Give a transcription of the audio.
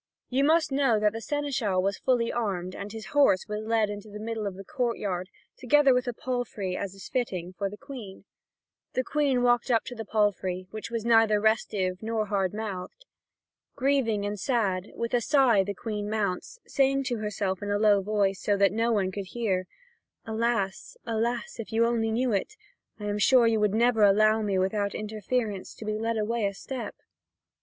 You must know that the seneschal was fully armed, and his horse was led into the middle of the courtyard, together with a palfrey, as is fitting, for the Queen. The Queen walked up to the palfrey, which was neither restive nor hard mouthed. Grieving and sad, with a sigh the Queen mounts, saying to herself in a low voice, so that no one could hear: "Alas, alas, if you only knew it, I am sure you would never allow me without interference to be led away a step."